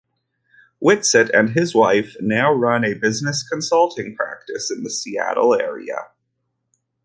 Whitsitt and his wife now run a business consulting practice in the Seattle area.